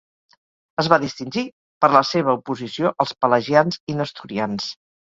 Es va distingir per la seva oposició als pelagians i nestorians.